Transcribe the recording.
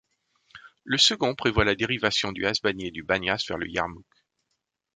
Le second prévoit la dérivation du Hasbani et du Banias vers le Yarmouk.